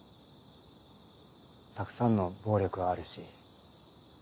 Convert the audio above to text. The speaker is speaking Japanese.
たくさんの暴力はあるし。